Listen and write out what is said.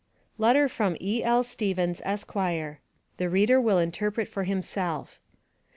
LETTER FROM E.L. STEVENS, ESQ. (The reader will interpret for himself.)